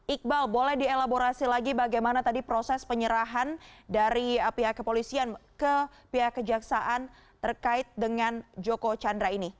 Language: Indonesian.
iqbal boleh dielaborasi lagi bagaimana tadi proses penyerahan dari pihak kepolisian ke pihak kejaksaan terkait dengan joko chandra ini